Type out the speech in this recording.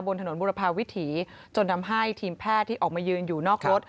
บนถนนบุรพาวิถีจนทำให้ทีมแพทย์ที่ออกมายืนอยู่นอกรถ